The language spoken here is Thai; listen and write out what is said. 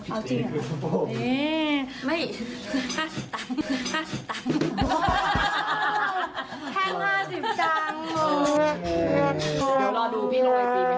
เอ้าจริง